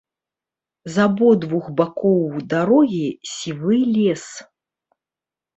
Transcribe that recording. З абодвух бакоў дарогі сівы лес.